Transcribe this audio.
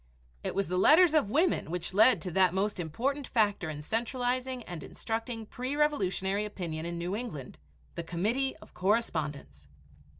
It was the letters of women which led to that most important factor in centralizing and instructing pre revolutionary opinion in New England, the Committee of Correspondence.